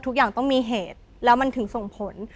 ทุกอย่างต้องมีเหตุแล้วมันถึงส่งผล